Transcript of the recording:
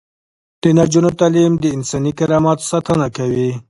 د نجونو تعلیم د انساني کرامت ساتنه کوي.